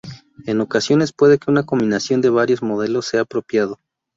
En ocasiones puede que una combinación de varios modelos sea apropiado.